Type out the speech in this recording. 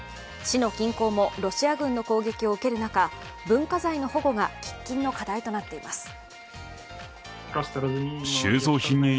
市の近郊もロシア軍の攻撃を受ける中、文化財の保護が喫緊の課題となっています。